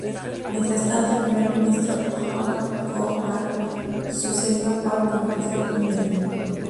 Mientras tanto, el primer ministro Hwang Kyo-ahn sucedió a Park como presidente interino.